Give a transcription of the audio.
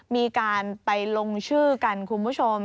มีการไปลงชื่อกันคุณผู้ชม